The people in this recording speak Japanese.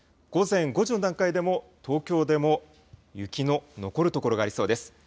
午前５時の段階でも、東京でも雪の残る所がありそうです。